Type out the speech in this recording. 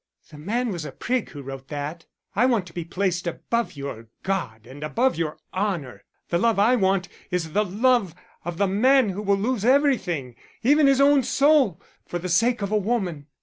"The man was a prig who wrote that. I want to be placed above your God and above your honour. The love I want is the love of the man who will lose everything, even his own soul, for the sake of a woman."